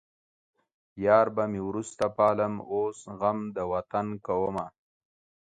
يار به مې وروسته پالم اوس غم د وطن کومه